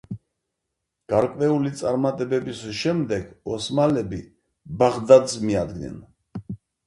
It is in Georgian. გარკვეული წარმატებების შემდეგ ოსმალები ბაღდადს მიადგნენ.